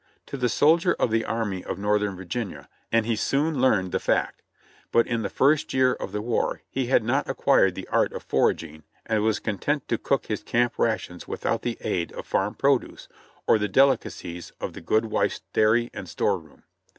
To the soldier of the Army of North ern Virginia every house was home and he soon learned the fact, but in the first year of the war he had not acquired the art of foraging and was content to cook his camp rations without the aid of farm produce or the delicacies of the good wife's dairy and store room.